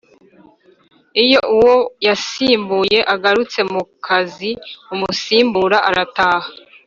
iyo uwo yasimbuye agarutse mu kaziumusimbura arataha